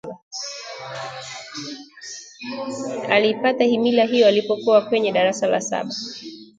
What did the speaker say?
Aliipata himila hiyo alipokuwa kwenye darasa la saba